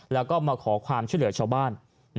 แล้วก็มาขอความช่วยเหลือชาวบ้าน